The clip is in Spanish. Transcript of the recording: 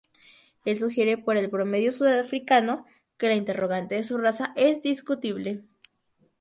Él sugiere por el promedio sudafricano, que la interrogante de su raza es discutible.